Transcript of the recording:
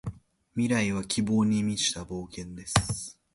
未来は希望に満ちた冒険です。